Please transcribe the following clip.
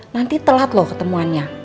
nanti telat loh ketemuannya